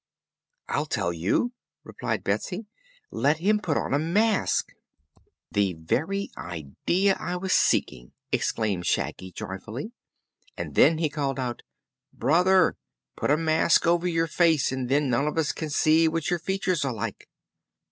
"I'll tell you," replied Betsy. "Let him put on a mask." "The very idea I was seeking!" exclaimed Shaggy joyfully; and then he called out: "Brother, put a mask over your face, and then none of us can see what your features are like."